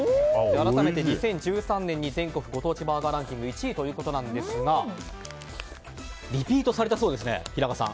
改めて２０１３年に全国ご当地バーガーランキング１位ということなんですがリピートされたそうですね平賀さん。